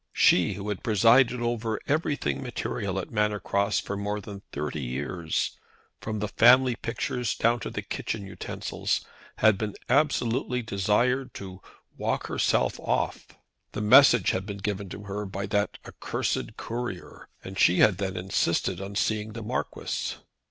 She, who had presided over everything material at Manor Cross for more than thirty years, from the family pictures down to the kitchen utensils, had been absolutely desired to walk herself off. The message had been given to her by that accursed Courier, and she had then insisted on seeing the Marquis.